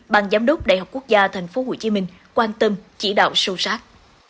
ban giám đốc đại học quốc gia tp hcm quan tâm chỉ đạo sâu sát